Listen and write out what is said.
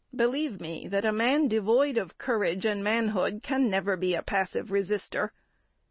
Believe me that a man devoid of courage and manhood can never be a passive resister.